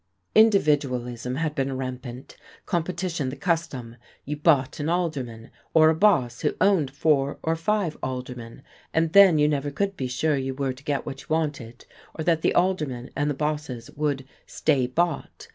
Individualism had been rampant, competition the custom; you bought an alderman, or a boss who owned four or five aldermen, and then you never could be sure you were to get what you wanted, or that the aldermen and the bosses would "stay bought."